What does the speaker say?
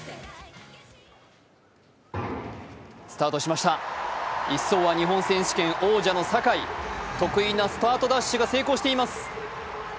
スタートしました、１走は日本選手権王者の坂井、得意なスタートダッシュが成功しています。